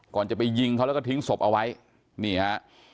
ก่อนจะไปยิงเขาแล้วก็ทิ้งศพเอาไว้นี่ฮะ